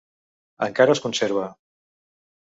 Encara es conserva.